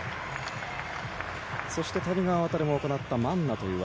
そして、谷川航も行ったマンナという技。